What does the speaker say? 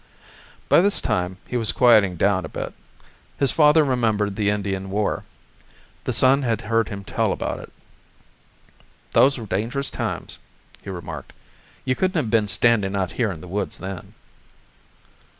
By this time he was quieting down a bit. His father remembered the Indian war. The son had heard him tell about it. "Those were dangerous times," he remarked. "You couldn't have been standing out here in the woods then."